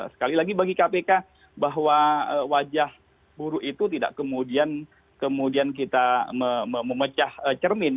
sekali lagi bagi kpk bahwa wajah buruk itu tidak kemudian kita memecah cermin